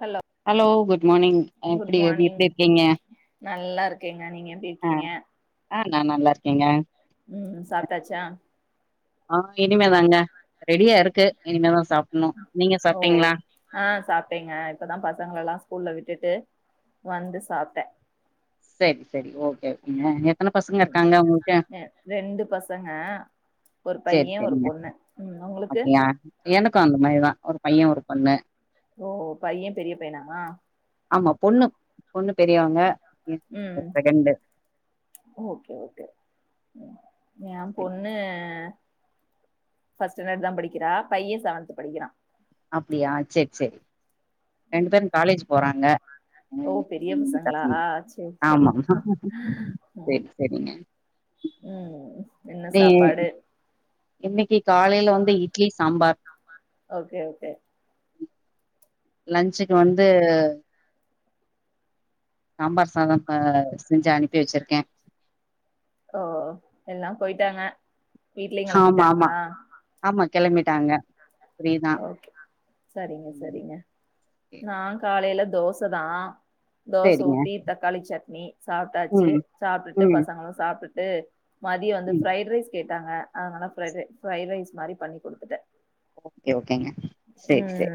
Hello hello good. Morning good எப்டி எப்டி morning இருக்கீங்க நல்லா இருக்கேங்க நீங்க எப்படி ஆ இருக்கீங்க. ஆ நா நல்லா இருக்கங்க. உம் சாப்ட்டாச்சா. ஆஹ இனிமேதாங்க. ரெடியா இருக்கு இனிமேதா சாப்புட்ணு நீங்க [unintelligible] ஓ சாப்ட்டீங்களா ஆஹ சாப்பட்டேங்க இப்பதா பசங்கள எல்லா ஸ்கூல்ல விட்டுட்டு. வந்து சாப்ட்ட. சேரி சேரி ஓகே. [unintelligible] உம் இருக்காங்க உங்களுக்கு ரெண்டு பசங்க. ஒரு செரி பைய ஒரு செரிங்க பொண்ணு உம் உங்களுக்கு. எனக்கும் அந்த மாரிதா ஒரு பைய ஒரு பொண்ணு. ஓ பைய பெரிய பையனா. ஆமா பொண்ணு. பொண்ணு பெரியவங்க பைய செ ம் செகண்டு. ஓகே ஓகே ம் ஏ பொண்ணு. ஃபஸ்ட்டு ஸ்டாண்டர்ட்தா படிக்கிறா பைய செவன்த் படிக்கிறா. அப்படியா சேரி சேரி. ரெண்டு பேரும் காலேஜ். போறாங்க. ஓ உம், பெரிய உம், பசங்களா. பசங்க சேரி சேரி ஆமாமா செரி செரிங்க உம் என்ன சாப்பாடு. இன்னிக்கு காலையில வந்து இட்லி சாம்பார். Okay okay. லன்ஞ்சுக்கு வந்து. சாம்பார் சாதம் இப்ப செஞ்சு அனுப்பி வச்சிருக்கேன் ஓ எல்லாம் போயிட்டாங்க வீட்லயும் கிளம்பிட்டாங்களா கிளம்பிட்டாங்க சரிங்க ம் சரிங்க நான் காலயில தோச தான் தோச சேரிங்க ஊத்தி தக்காளி சட்னி சாப்பிட்டாச்சு ம் சாப்பிட்டுட்டு ம் பசங்களும் சாப்பிட்டு து மதியம் வந்து ம் ஃப்ரைடு ரைஸ் கே னாங்க அதனால ஃபிரைட் ரைஸ் மாரி பண்ணி குடுத்துட்டேன் ஓகே ஓகேங்க சேரி சேரி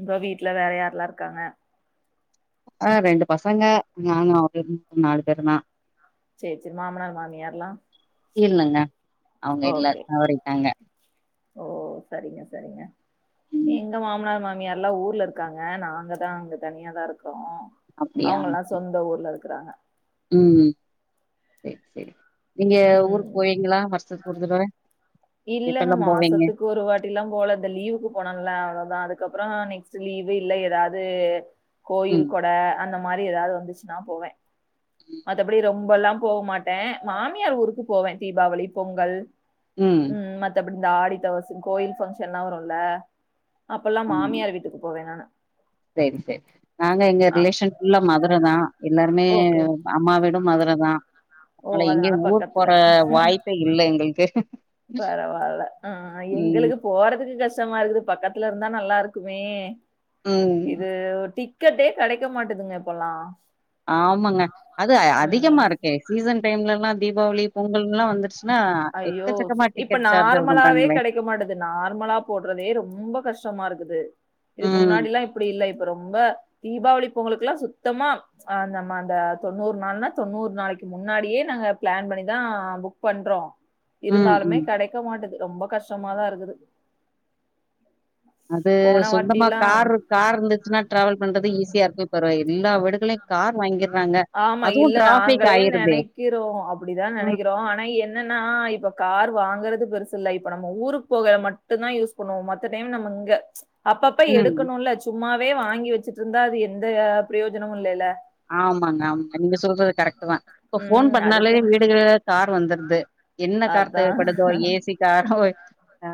இப்ப வீட்டுல வேற யாரெலாம் இருக்காங்க ஆஹ் ரெண்டு பசங்க நானும் ஒரு நாலு பேரு தான் சேர் சேரி மாமனார் மாமியா ரெலாம் இல்லங்க அவங்க இல்ல தவரிட்டாங்க ஓ சரிங்க சரிங்க ம் எங்க மாமனார் மாமியார்ல்லாம் ஊர்ல இருக்காங்க நாங்க தான் அங்க தனியாதான் இருக்கோ அப்டியா இருக்குறாங்க உம் செரி செரி நீங்க ஊருக்கு ம் போவீங்களா வருஷத் குடுத்துட்ட இல்லங்க மாசத்துக்கு ஒரு வாட்டி எலாம் போல இந்த லீவுக்கு போனல அவ்வளவுதான் அதுக்கு அதுக்கப்பறம் நெக்ஸ்ட் லீவு இல்ல ஏதாது கோயில் ம் கூட அந்த மாரி ஏதாது வந்துச்சுன்னா போவேன் மத்தபடி ரொம்ப ரொம்பெல்லாம் போ மாட்டேன் மாமியார் ஊருக்கு போவேன் தீபாவளி பொங்கல் ம் உம் மத்த அப்டி இந்த ஆடித்தவச கோயில் பங்க்ஷன் எலாம் வரும்ல அப்பெல்லாம் ஆமாமா மாமியார் வீட்டுக்கு போவேன் நான் சேரி சேரி நாங்க எங்க அ ரிலேஷன் புல்லா மதுர தான் எல்லாரு ஓகே [unintelligible] விடும் மதுர தான் ஓ அதனால எங்கேயும் ஊர் பக்கத்துல போற வாய்ப்பே இல்ல எங்களுக்கு பரவால்ல ஆஹ் ம் எங்களுக்கு போறதுக்கு கஷ்டமா இருக்குது பக்கத்துல இருந்தா நல்லா இருக் க்குமே ம் இது டி க்கெட்டே கெடைக்க மாட்டதுங்க இப்பல்லா ஆமாங்க அது அதிகமா ம் இருக்கே சீசன் டைம்லல்லா தீபாவளி பொங்கல்லா வந்துருச்சு அய்யோ இப்ப நார்மலாவே பண்றாங்களே. கெடைக்க மாட்டது நார்மலா போடுறதே ரொம்ப கஷ்டமா இருக்குது இதுக்கு ம், முன்னாடில்லா இப்படி இல்ல இப் ப ரொம்ப தீபாவளி பொங்கலுக்குல்லா சுத்தமா அ நம்ம அந்த தொண்ணூறு நாள்னா தொண்ணூறு நாளக்கி முன்னாடியே நாங்க ப்ளான் பண்ணிதா புக் பண்றோ ம், இருந்தாலுமே ம். கெடைக்க மாட்டது ரொம்ப கஷ்டமாதா இருக்குது அது போன சொந்தமா வாட்டில்லா கார் கார் இருந்துச்சுனா ட்ராவல் பண்றது ஈஸியா இருக்கு தொர எல்லா வி டுகளை கார் வாங்கி ஆமா இல்ல நாங்களே நெனைக்கிறோ அப்டிதா ம், நெனைக்கிறோ ஆனா என்னன்னா இப்ப கார் வாங்குறது பெருசுல்ல இப்ப நம்ம ஊருக்கு போக மட்டுந்தா யூஸ் பண்ணுவோ மத்த டைம் நம்மங்க அப்பப்ப ம். எடுக்கணுல்ல சும்மாவே வாங்கி வச்சு ட்ருந்தா அது எந்த பிரயோஜனமு இல்லெல்ல ஆமாங்க ஆமாங்க நீங்க சொல்றது கரெக்டு தா இப்ப போன் ம். பண்ணாலே அதுக்கு வீடுக கார் வந்துரு ந்து என்ன கார் அதான். தேவப்படுதோ ஏ சி காரோ அ ஆ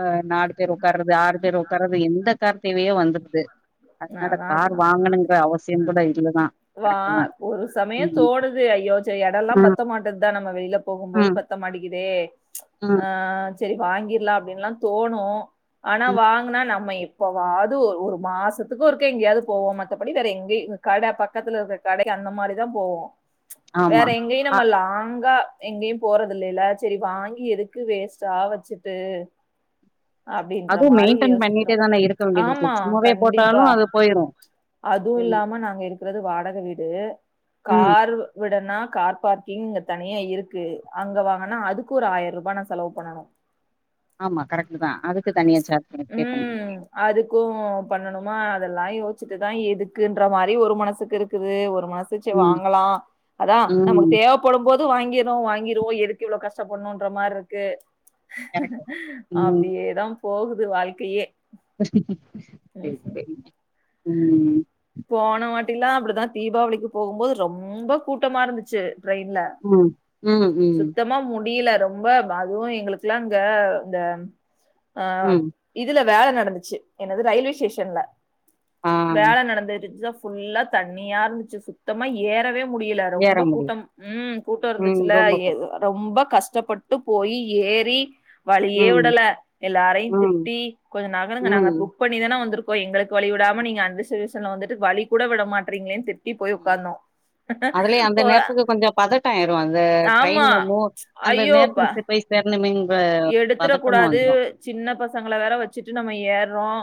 அ நாலு பேர் உக்கார்ரது ஆறு பேர் ஒக் கறது எந்த கார் தேவயோ வந்துருது அதனால அதான் கார் அதுதான். வாங்கணுங்கிற அவசியம் கூட இல்லதா வா கரெக்ட் தா ஒரு சமய ம் தோனுது அய்யோ செ எடொல்லா ம் பத்த மாட்டதா நம்ம வெளில போகும் போது ம் பத்த மாடிக்கு தே ம் ஆ செரி வாங்கிற்லா அப்டின்லா தோணு ஆனா ம் வாங்குனா நம்ம எப் பவாது ஒரு மாசத் துக்கு ஒருக்க எங்கேயாது போவோ மத்தபடி வேற எங்கய் கட பக்கத்துல இருக்க கடக்கி அந்த மாரிதா போவோ ஆமா வேற எங்கயு அ நம்ம லாங்கா எங்கெயும் போறதில்லைல்ல செரி வாங்கி எதுக்கு வேஸ்டா வச்சுட்டு அப்டின்ற அதுவும் மாரி மெயின்டென் பண்ணிட்டே தானே இருக்க வேண்டியது இருக்கு சும்மாவே போட்டா பா அதுவும் இல்லாம நாங்க இருக்கிறது வாடக வீடு ம். கார் வெ டனா கார் பார்க்கிங் இங்க தனியா இருக்கு அங்க வாங்கனா அதுக்கு ஒரு ஆயிரரூபா நான் செலவு பண்ணனும் ஆமா கரெக்ட் தான் அதுக்கு தனியா சார்ஜ் பண்ணி பே பண்ண உம் முடியு அதுக்கும் பண்ணணுமா அதெல்லாம் யோச்சட்டுதான் எதுக்குன்ற மாரி ஒரு மனசுக்கு இருக்குது ஒரு மனசுச்சு ம் வாங்கலாம் அதான் நமக்கு ம் தேவப்படும் போது எது வாங்கிரும் வாங்கிருவோம் எதுக்கு இவ்ளோ கஸ்ட பண்ணோ ணும்ன்ற மாரி இருக்கு கரெக்ட் தா ம் அப்படியேதான் போகு வாழ்க்கையே சரி ம் சரி ம் போன பத்தினா அப்படிதான் தீபாவளிக்கு போகும் போது ரொம்ப கூட்டமா இருந்துச்சு ட்ரெயின்ல உம் உம் உம் சுத்தமா முடியல ரொம்ப அதுவும் எங்களுக்கெல்லாம் இங்க இந்த ஆஹ் ம் இதுல வேல நடந்துச்சு என்னது ரயில்வே ஸ்டேஷன்ல ஆ வேல நடந்துருசினா ஃபுல்லா தண்ணியா இருந்துச்சு சுத்தமா ஏறவே முடியல ஏற ரொம்ப முடியு கூட்டம் உம் கூட்டம் ம் இருந்துச்சுல ரொம்ப ஏ போட்டு ரொம்ப கஷ் கஷ்டப்பட்டு போய் ஏறி வழியே ம் விடல எல்லாரையும் ம் திட்டி கொஞ்சம் நகருங்க நாங்க ம் புக் பண்ணிதானே வந்திருக்கோ எங்களுக்கு வழிவிடாம் இனோ நீங்க அந்த சீசன்ல வந்துட்டு வழி கூட விட மாட்டீங்களே திட் அதுலயே அந்த ஓ நேரத்துக்கு கொஞ்சம் பதட்டம் ஆயிரும் அந்த ஆமா ட்ரெயின்னு மூவ் அந்த நேரத்துலா போய் சே ணுமே எடுத்துட கூடாது சின்ன பசங்கள வேற வச்சிட்டு நம்ம ஏறறோம்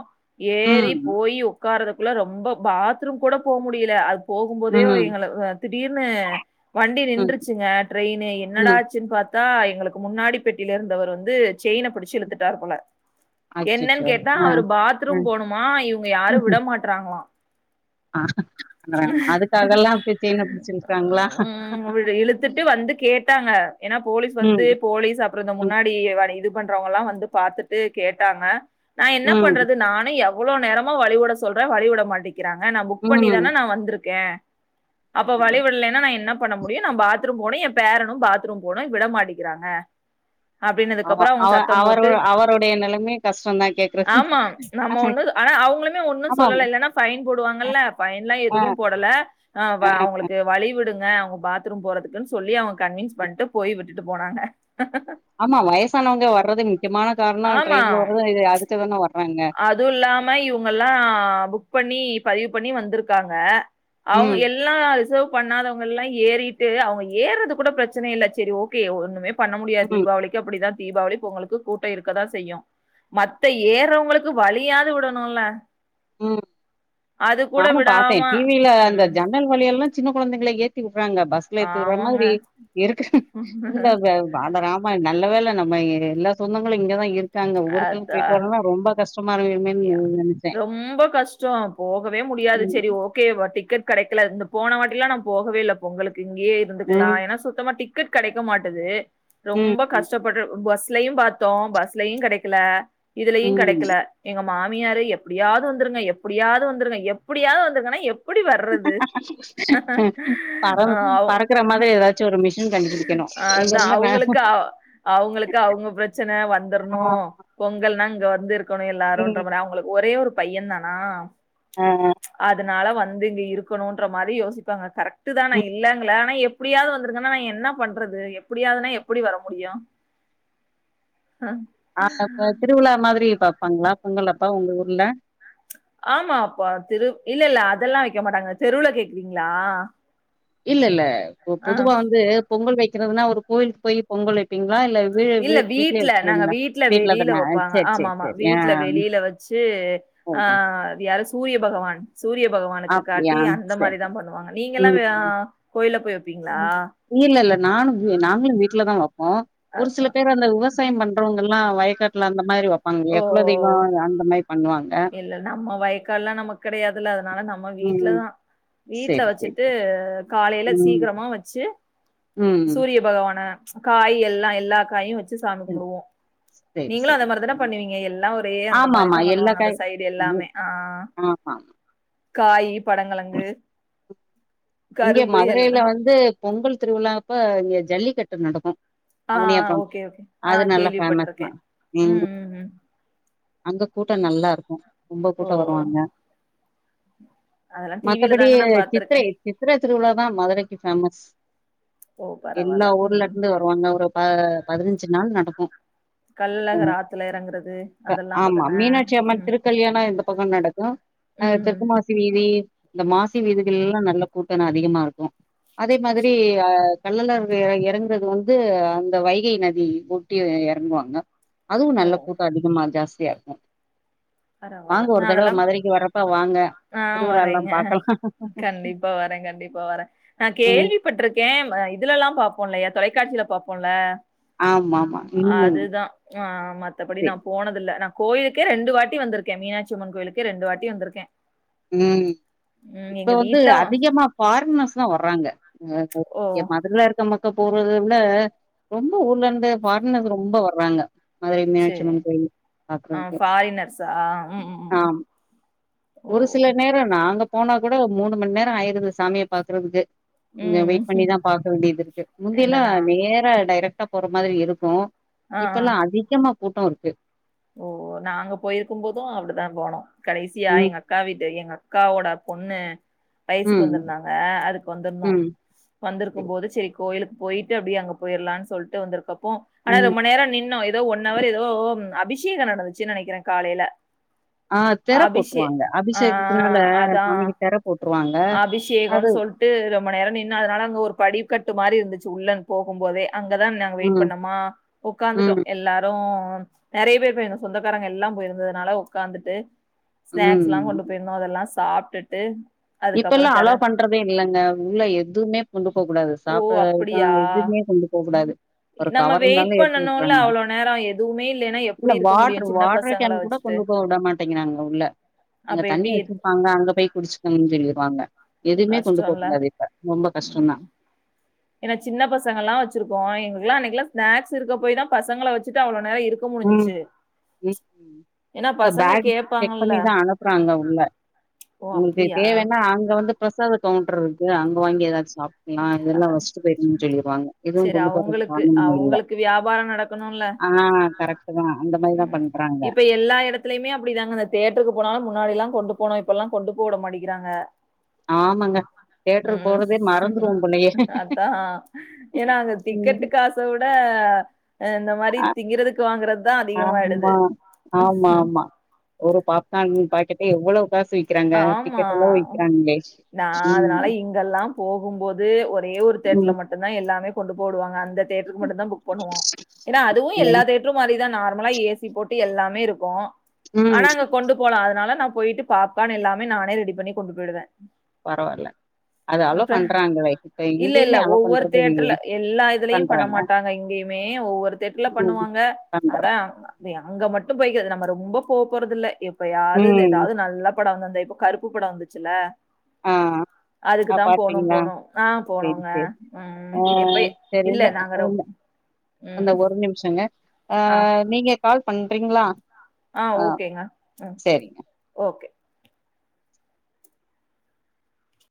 ஏறி ம் போய் உட்காரதுக்குள்ள ரொம்ப பா த்ரூம் கூட போ முடியல போகும்போதே ம் எங்கள திடீர்னு வண்டி ம் நின்றுச்சுங்க ட்ரெயின்னு என்னடா ம் ஆச்சுன்னு பா சா எங்களுக்கு முன்னாடி பெட்டியில இருந்து அவர் வந்து செயின பிடிச்சு இழுத்துட்டார் போல என்னன்னு அச்சச்சோ கேட்டா ஆ அவர் ஆ பாத்ரூம் போணுமா இவங்க யாரும் விட மாட்டறாங்களான் ஆ ஆமா அதுக்காகல்லா போய் செயின பிடிச்சு இழுக்குறாங்களா உம் இழுத்துட்டு வந்து கேட்டாங்க ஏன்னா போலீஸ் ம் வந்து போலீஸ் அப்புறம் ம் முன்னாடி வாடி இது பண்றவங்க எல்லாம் வந்து பாத்துட்டு கேட்டாங்க நான் என்ன ம் பண்றது நானே எ அவ்வளோ நேரமா வழி விட சொல்றேன் வழிவிட மாட்டி இருக்கிறாங்க நான் புக் பண்ணிதானே ம் நான் வந்திருக்கேன் அப்ப வழி விடலைன்னா நான் என்ன பண்ண முடியும் நான் பாத்ரூம் போனும் என் பேரனும் பாத்ரூம் போனும் விடமாட்டிக்கிறாங்க அப்படனதுக்கு அவ அப்புறம் அவங்க அவ சத்தம் அவரு போட்டு அவருடைய நெலைமையு கஷ்டந்தா கேக்குறது ஆமா நம்ம ஒண்ணு ஆனா அவங்களுமே ஒன்னும் ஆமா சொல்ல இல்லன்னா பைன் போடுவாங்கல்ல பைன்லாம் ஆ எதுவும் போடலஹ ஆ அவங்களுக்கு வழி விடுங்க அவங்க பாத்ரூம் போறதுக்குன்னு சொல்லி அவங்க கன்வின்ஸ் பண்ணிட்டு போய் விட்டுட்டு போனாங்க [inaudible] ஆமா வயசானவங்க வர்து முக்கியமான காரணம் ஆமா. ட்ரெயின்ல வர்து இது அதுத்துதானே வர் அதுவும் இல்லாம இவங்க எல்லாம் பண்ணி பதிவு பண்ணி வந்திருக்காங்க அவங்க ம் எல்லாம் ரிசவ் பண்ணாதவங்க எல்லாம் ஏறிட்டு அவங்க ஏறது கூட பிரச்சனை இல்லை சேரி ஓகே ஒண்ணுமே பண்ண முடியாது ம் தீபாவளிக்கு அப்படித்தான் தீபாவளி பொங்களுக்கு கூட்டம் இருக்கதான் செய்யும் மத்த ஏறவங்களுக்கு க்கு வலியாது விடணும்ல உஹம் அது கூட நானும் விடாம பார்த்தேன் டிவில அந்த ம். ஜன்னல் வழிய எல்லாம் சின்ன குழந்திங்க எ ஏத்திங்க பஸ்ல எத்துற ஆமாங்க மாதிரி இருக்கு இ வாழராம என் நல்ல வேலை நம்ம எல்லா சொந்தங்களும் இங்கதான் இருக்கு அங்க ஊருக்கு அதா போயிட்டு வரங்கன ரொம்பகஷ்டமா இரு ரொம்ப கஷ்டம் போக முடியாது ம் சேரி ஓகே டிக்கெட் கிடைக்கல இந்த போன வாட்டெிலாம் நான் போகவே இலை பொங்குக்கு இங்கேயே இருந்துக்கலாம் ம் ஏன்னா சுத்தமாட்டி டிக்கெட் கிடைக்க மாட்டது ம் ரொம்ப கஷ்டப்பட்டு பஸ் பஸ்லையும் பார்த்தோம் பஸ்லயும் கிடைக்கல ம் இதுலயும் ம் கிடைக்கல மாமியார் எப்படியாவது வந்துருங்க எப்படியாவது வந்தருங்க எப்படியாவது வந்திருங்கன்னா எடி பற பறக்கற மாதிரி ஏதாச்சும் ஒரு மிஷின் கண்டுபிடிக்கணு இங்க அதான் இருந்து ந அவங்களுக்கு அவங்களுக்கு அவங்க பிரச்சன ஆ வந்துறுணும் பொங்கல்னா வந்துறு இருக்கனும் ம் எல்லாரும்ன்றகளே அவங்களுக்கு ஒரே ஒரு பையன் தானா ஆஹ்ஹ் னால வந்து இங்க இருக்கணும்ன்ற மாதிரி யோசிப்பாங்க கரெக்ட் ட்டு தானா ம் இல்லாங்கள ஆனா முடியாது வந்திருக்கன்னா நா எ என்ன பண்றது எப்படியாதுன்னா எப்படி வர முடியும் ஆஹ் இன்ன திருவிழா மாதிரி இப்ப பாங்ளா பொங்கலப்பா உங்க ஊர்ல ஆமா அப்பா திரு இல்ல இல்ல அதெல்லாம் வைக்க மாட்டாங்க தெருல கேக்குறீங்களா இல்ல இல்ல இப்ப ஆ பொதுவா வந்து பொங்கல் வைக்கிறதுனா ஒரு கோயிலுக்கு போய் பொங்கல் வைப்பீங்க இல்ல வீட்ல நாங்க வீட்டுல வீட்ல வெளியில தானா? வைப்பாங்க சரி ஆமா சரி ஆமா சரி. ஆ வீட்டுல வெளியில வச்சு ஓகே. ஆஹ்து யார சூரிய பகவான் சூரிய பகவானுக்கு அப்டியா? காட்டி அந்த சரி. மாதிரிதான் பண்ணுவாங்க நீங்க எல்லாம் ம். கோயில போய் வப்பீங்களா? இல்ல இல்ல நானும் நாங்களும் வீட்டுல தான் வப் போம் ஒரு சில அதா. பேர் அந்த விவசாயம் பண் மற்றவங்கல்லாம் வக்காட்டுல அந்த மாதிரி வ ஓ இல்ல நம்ம வய்கால் எல்லாம் நம கிடையாதுல்ல அதனால நம்ம ம். வீட்டுலதான் வீட்டுல சரி சரி. வச்சுட்டு காலையில ம். சீக்கிரமா வச்சு ம். ச்சு சூரிய பகவான காய் எல்லாம் எல்லா காயும்வச்சு சாமிகும்புடுவோம் சரி நீங்களும் அந்த சரி. மாதிரி தானே பண்ணுவீங்க எல்லாம் ஒரே அந்த ஆமாமா மாதிரிதான் எல்லா பண்ணுவாங்க அந்த காய் சைடு ம் எல்லாமே ஆஹ் ஆமா. காய் படங்கிழங்கு இங்க கரும்பு எல்லா மதுரையில வந்து பொங்கல் திருவிழாங்ப்ப இங்க ஜல்லிக்கட்டு நடக்கு ஆ ஆ அவனியாப்புறம் ஓகே ஓகே ஆ அது நல்லா பேஃமஸ் தா கேள்விப்பட்ருக்கே உம் ம் ம் ம் அங்க கூட்டம் நல்லா இருக்கு ரொம்ப ஓ கூட்ட வருவாங்க அதெல்லா டிவில தாங்க நா பாத்துருக்கே சித்தர திருவிழா தா மதுரைக்கு பேஃமஸ் ஓ எல்லா பரவால்ல ம் ஊர்லருந்து வருவாங்க ஒரு ப பதினஞ்சு நாள் நடக்கு கல்லகு ம் ராத்துல எறங்கறது அதெல்லா அப்பததனே பக்க நடக்கு ஹ தெற்கு மாசி வீதி இந்த மாசி வீதுகல்லா நல்ல கூட்டனதிகமா இருக்கு அதே மாதிரி சரி. அஹ் கள்ளலறுங்க எறங்குறது வந்து அந்த வைகை நதி ஒட்டி எறங்குவாங்க அதுவு ஓ நல்ல பூட்ட அதிகமா ஜாஸ் [unintelligible] பரவால்ல வாங்க நா ஒரு தடவ அதெல்லா மதுரைக்கு வரப்ப வாங்க ஆ திருவிழால்லா பாக்கலாம் நா கண்டிப்பா வர நா கேள்விப்பட்ருக்கே இதுலலா பாப்போல்லயா தொலைக்காட்சி பாப்போல ஆமா ஆமா ம் அதுதா மத்தபடி சரி நா போனதுல்ல நா கோயிலுக்கே ரெண்டு வாட் வந்துருக்க மீனாட்சிம்மன் கோயிலுக்கு ரெண்டு வாட்டி வந்துருக்கே உம் இப்ப வந்து வீட்ல அதிமா ஃபார்மஸ் தா வராங்க [unintelligible] ஓ மதுரரருக்க மக் க போறது ப்பனு ரொம்ப ஊர்லந்து ஃபாரினர்ஸ் ரொம்ப வராங்க மதுரை சேரி மீனாட்சியம்மன் கோயில் ஆ பாக்கறதுக்கே ஃபாரினர்ஸா ம் ம் ம் ம் ஆஹ் ஓ ஒரு சில நேர நாங்க போனா கூட மூணு மணி நேர ஆய்ருது சாமிய பாக்குறதுக்கே கொஞ்ச ம் வெயிட் ம் பண்ணிதா பாக்க வேண்டிதுருக்கு முந்தில்லா இல்லனா நேரா டைரக் [unintelligible] போர மாதிரி இருக்கும் ஆ ஆ இப்பல்லா அதிகமா கூட்டருக்கு ஓ நாங்க போய்ருக்கு போது அப்டிதா போனோ கடைசியா ம் எங்க அக்கா வீட்டு எங்க அக் அக்காவோட பொண்ணு வயசுக்கு ம், வந்திருந்தாங்க அதுக்கு வந்திருந்தோம் ம். வந்திருக்கும் போது செரி கோயிலுக்கு போயிட்டு அபடி அங்க போயிறுலானு சொல்ட்டு வந்தக்க உம் ஆன ம். ரொம்ப நேரம் நின்னோம் ஏதோ ஒன்னவர் ஏதோஒ [unintelligible] நினைக்கிற காலையில ஆ திரை அபிஷே போட்டுருவாங்க. ஆஆ அபிஷேகத்தினால அதான் சாமிக்கு திரை போட்டுருவாங்க. அது அபிஷேகனு சொல்ட்டு ரொம்ப நேரம் நின்னே அதனால அங்க ஒரு படிகட் மாறி யிருந்துச்சி உள்ளயிருந்து போகம்போதே அங்கதான் நாக வெயிட் ம், பண்ணோமா ம், உ்காந்துட்டோம் எல்லாரும் ஆம்ச் நறைப்பேர் போயிருந்தம் சொந்தக்காரங்க எல்லாம் போயிருந்தது நால உட்காந்துட்டு ஸ்நாக்ஸ்ல்லாம் ம். கொண்டு போயிட்டுருந்தோ அதல்லாம் சாப்டுட்டு இப்பயில்லாம் அலோ பண்றதே இல்லங்க உள்ள எத்துவுமே கொண்டு போ கூடாது ஓ! சாப்பிடற அப்படியா? ஐட்டம்எத்துவுமே கொண்டு போக கூடாது ஒரு நம்ம கவர் வெயிட் இருந்தாலும் ஏத்து பண்ணணும்ல விட்டுறாங்க அவ்ளோ நேரம். எதுவுமே இல்லைன்னா இல்ல எப்படி இருக்க வாட்ரு முடியும் சின்ன வாட்ரு பசங்கள கேன்னு கூட வச்சுட்டு. கொண்டு போக விடமாடெங்கிறாங்க உள்ள அங்க அப்ப தண்ணி எப்படி வச்சிருப்பாங்க அங்க போய் குடிச்சு [unintelligible] இரு- எதுமே கொண்டு கஷ்டம்ல. போக்ககூடத இப்ப ரொம்ப கஷ்டம் தா ஏன்ன சின்ன பசங்கல்லா வச்சிருக்கோ எங்ளுகெள்ளாம் அன்னைகியிலாம் ஸ்நாக்ஸ்யிருக்கபோய் தான் பசங்கள வச்சுட்டு அவ்ளோ நேரம் இருக்க முடிஞ்சுச்சு. ம் ம் ஏன்னா பசங்க பேக் செக் கேப்பாங்கல்ல பண்ணிதான் அனுப்பறாங்க உள்ள ஓ உனக்கு அப்டியா தேவன்னா அங்க வந்து பிரசாத கவுண்டர்ரு இருக்குள அங்க வாங்கி ஏதாச்சும் சாப்பலாம் இல்லனா வச்சிட்டு போய்டென்னு சொல்லிருவாங்க செரி அவுங்களுக்கு அவுங்களுக்கு வியாபாரம் நடக்கணுல்ல [unintelligible] ஹ ம் இப்ப எல்லா இடத்திலிமே அப்டிதாங்க இந்த தேட்டருக்கு போனாலும் முன்னாடிலாம் எல்லாம் கொண்டு போனு இப்பெல்லாம் கொண்டு போக விட மாட்டிக்கிறாங்க ஆமாங்க தேட்டருக்கு போறதே மறந்துருவோ போலயே அதான் ஏன்னா அங்க ம் டிக்கெட்டு காசவிட ஆ ஆ, இந்த மாரி திங்குறதுக்கு வாங்குறது ஆம்மா ஆம்மா ஆம்மா ஒரு பாப்கான் பாக்கட்டே [unintelligible] ஆமா நான் ம் அதனால இங்கெல்லாம் போகும் போது ஒரே ஒரு தேட்டர்ல ம் மட்தான் எல்லாமே கொண்டு போ விடுவாங்க அந்த தேட்டருக்கு மட்டுதான் புக் பண்ணுவோம் ஏன்னா அதுவும் எல்லா ஏன்? தேட்டரு மாரிதான் நார்மல் மலா ஏசி போட்டு எல்லாமே இருக்கு ஆனா ம் அங்க கொண்டு போல அதனால நான் போயிட்டு பாப் க்கான் எல்லாம நானே ரெடி பண்ணி கொண்டு போயிடுவேன் பரவால்ல அது அலோ பண்றாங்களே இப்ப இல்ல இல்ல எங்கேயுமே அலோ ஒவ்வொரு பண்றது இல்லையே தேட்டர்ல எல்லா இதுலயும் பண்ண பண்றாங்க மாட்டாங்க எங்கேயுமே ஒவ்வொரு தேட்டர்ல ம் பண்ணுவாங்க பண்ற அதான் அங்க மட் [unintelligible] நம்ம ரொம்ப போ போறதில்ல இப்ப யாது ம் ஏதாது நல்லா படம் வந்த இப்போ கருப்பு படம் வந்துச்சுல்ல ஆஹ் ஆஹ் அதுக்குதா போனோ பாப்பீங்களா போனோ ஆ சேரி போனோங்க சேரி ம் அஹ் எப்பய செரி இல்ல இந்த நாங்க ரொ ம் அ ஒரு நிமிஷங்க ஆஹ் நீங்க கால் பண்றீங்களா ஆஹ் ஆ ஓகேங்க ம் சேரி ஓகே